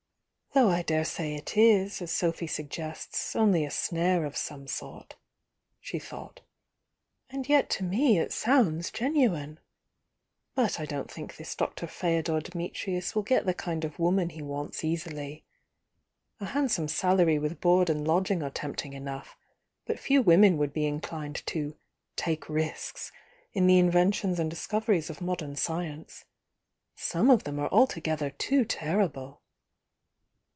"Though I dare say it is, as Sophy suggests, only a snare of some sort," she thought. "And yet to me it sounds genuine. But I don't think this Dr. Feodor Dimitrius will get the kind of woman he wants easily. A handsome salary with board and lodging are tempting enough, but few women would be inclined to 'take risks' in the inventions and dis coveries of modem science. Some of them are alto gether too terrible!"